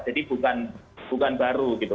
jadi bukan baru gitu